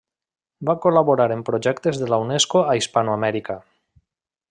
Va col·laborar en projectes de la Unesco a Hispanoamèrica.